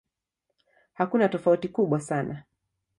Hakuna tofauti kubwa sana.